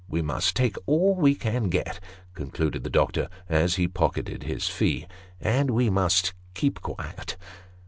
We must take all we can get," concluded the doctor, as he pocketed his fee, " and we must keep quiet."